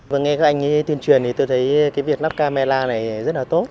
vừa nghe các anh tuyên truyền thì tôi thấy việc lắp camera này rất là tốt